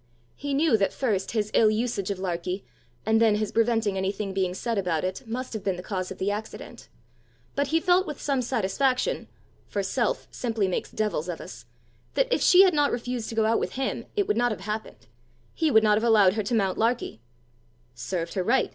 He knew that first his ill usage of Larkie, and then his preventing anything being said about it, must have been the cause of the accident; but he felt with some satisfaction for self simply makes devils of us that if she had not refused to go out with him, it would not have happened; he would not have allowed her to mount Larkie. "Served her right!"